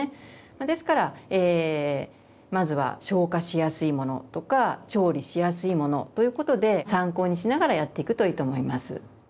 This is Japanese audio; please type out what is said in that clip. ですからまずは消化しやすいものとか調理しやすいものということで参考にしながらやっていくといいと思います。